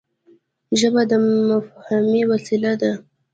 ژبه د مفاهمې وسیله ده